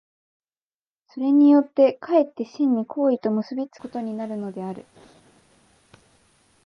それによって却って真に行為と結び付くことになるのである。